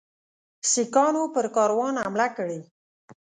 سیکهانو پر کاروان حمله کړې.